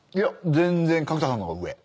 全然角田さんの方が上。